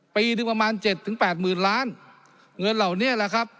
ปีประมาณ๗๘หมื่นล้านเงินเหล่านี้แหละครับ